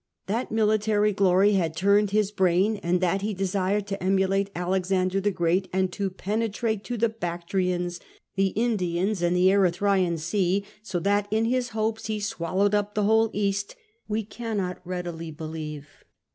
That military glory had turned his brain, and that he desired to emulate Alexander the Great, and " to penetrate to the Bactrians, the Indians, and the Erythraean Sea, so that in his hopes he swallowed up the whole East," we cannot readily believe.